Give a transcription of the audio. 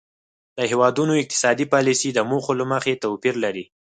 د هیوادونو اقتصادي پالیسۍ د موخو له مخې توپیر لري